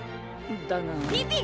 だが。